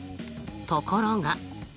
ところが。